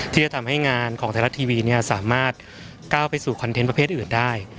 ที่จะทำให้งานของไทยรัฐทีวีสามารถก้าวไปสู่คอนเทนต์ประเภทอื่นได้